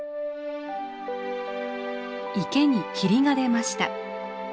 池に霧が出ました。